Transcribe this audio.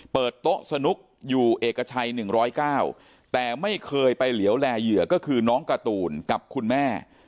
เปิดโต๊ะสนุกอยู่เอกชัย๑๐๙แต่ไม่เคยไปเหลียวแลเหยื่อก็คือน้องการ์ตูนกับคุณแม่